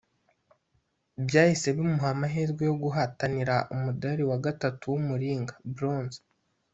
Byahise bimuha amahirwe yo guhatanira umudari wa gatatu w’Umuringa (Bronze)